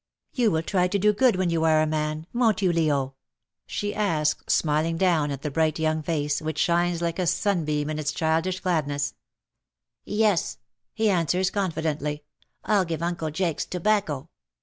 " You will try to do good when you are a man, won^t you, Leo V she asks^ smiling down at the 318 WE HAVE DONE WITH TEARS AND TREASONS. bright young face, which shines like a sunbeam in its childish gladness. " Yes/^ he answers confidently. " Til give Uncle Jakes tobacco."